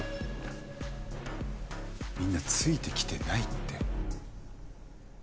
みんなついてきてないって。